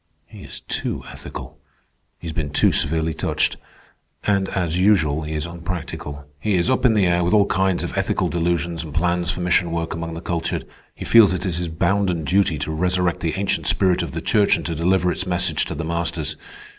He is too ethical. He has been too severely touched. And, as usual, he is unpractical. He is up in the air with all kinds of ethical delusions and plans for mission work among the cultured. He feels it is his bounden duty to resurrect the ancient spirit of the Church and to deliver its message to the masters.